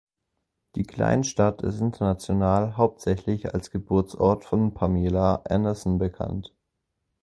Die Kleinstadt ist international hauptsächlich als Geburtsort von Pamela Anderson bekannt.